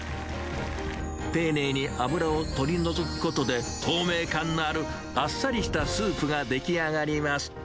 丁寧に油、取り除くことで、透明感があるあっさりしたスープが出来上がります。